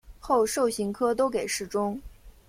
后授刑科都给事中。